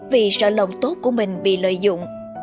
vì sợ lòng tốt của mình bị lợi dụng